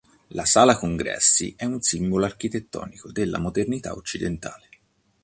La sala congressi è un simbolo architettonico della modernità occidentale.